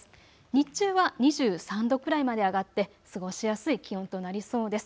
日中は２３度くらいまで上がって過ごしやすい気温となりそうです。